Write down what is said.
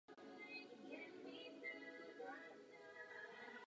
Původně měla budova sloužit pro potřeby poštovní spořitelny.